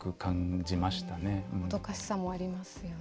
もどかしさもありますよね。